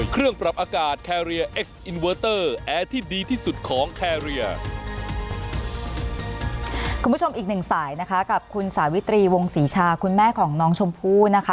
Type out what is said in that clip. คุณผู้ชมอีกหนึ่งสายนะคะกับคุณสาวิตรีวงศรีชาคุณแม่ของน้องชมพู่นะคะ